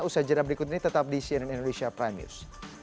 usaha jadwal berikut ini tetap di cnn indonesia prime news